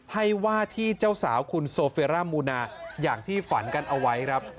ให้ว่าที่เจ้าสาวคุณโซเฟร่ามูนาอย่างที่ฝันกันเอาไว้ครับ